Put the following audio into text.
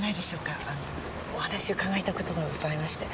お話伺いたい事がございまして。